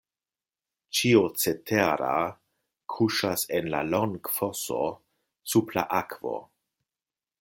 Ĉio cetera kuŝas en la longfoso sub la akvo.